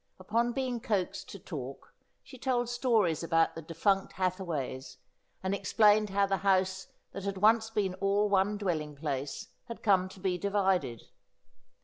Upon being coaxed to talk she told stories about the defunct Hathaways, and explained how the house that had once been all one dwelling place had come to be divided.